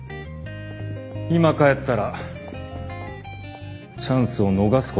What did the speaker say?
今帰ったらチャンスを逃すことになる